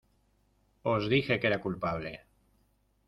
Os dije que era culpable.